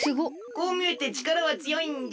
こうみえてちからはつよいんじゃ。